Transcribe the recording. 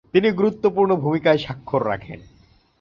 তিনি গুরুত্বপূর্ণ ভূমিকার স্বাক্ষর রাখেন।